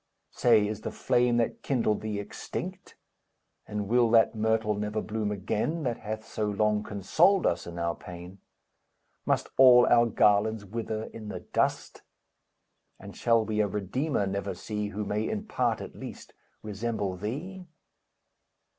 Say, is the flame that kindled thee extinct? And will that myrtle never bloom again, That hath so long consoled us in our pain? Must all our garlands wither in the dust? And shall we a redeemer never see, Who may, in part, at least, resemble thee?